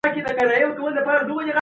د بهرنیو تګلاري موخي تل نه ترلاسه کېږي.